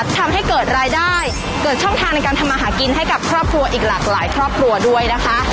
ทำให้เกิดรายได้เกิดช่องทางในการทำมาหากินให้กับครอบครัวอีกหลากหลายครอบครัวด้วยนะคะ